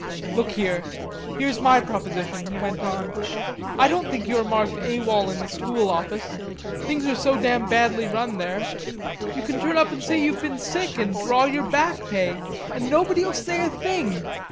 "Look here; here's my proposition," he went on. "I don't think you are marked A.W.O.L. in the School office. Things are so damn badly run there. You can turn up and say you've been sick and draw your back pay. And nobody'll say a thing.